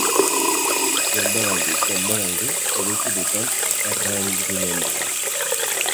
Denboraldiz denboraldi eduki duten errendimendua.